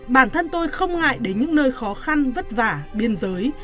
bản thân tôi không ngại đến những nơi khó khăn vất vả biên giới